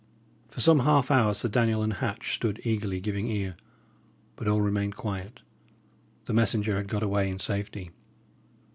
For some half hour Sir Daniel and Hatch stood eagerly giving ear; but all remained quiet. The messenger had got away in safety.